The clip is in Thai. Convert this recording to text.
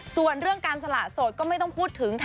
ส่วนเรื่องการสละโสดก็ไม่ต้องพูดถึงค่ะ